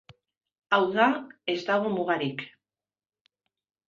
Hau da, ez dago mugarik.